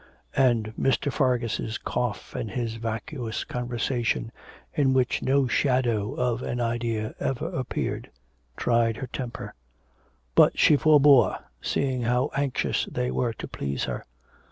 And Mr. Fargus' cough and his vacuous conversation, in which no shadow of an idea ever appeared, tried her temper. But she forebore, seeing how anxious they were to please her.